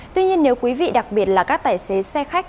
tuy nhiên nếu quý vị đặc biệt là các tài xế xe khách